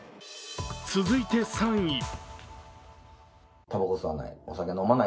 続いて３位。